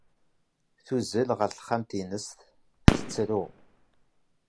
Tuzzel ɣer texxamt-nnes, tettru.